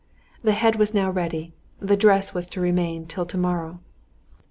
The head was now ready, the dress was to remain till to morrow.